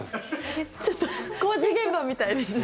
ちょっと工事現場みたいです。